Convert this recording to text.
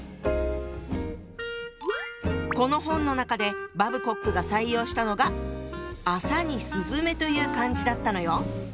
この本の中でバブコックが採用したのが「麻」に「雀」という漢字だったのよ。